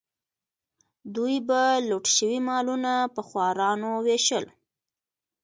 دوی به لوټ شوي مالونه په خوارانو ویشل.